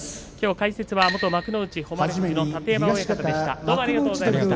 解説は元幕内誉富士の楯山親方でした。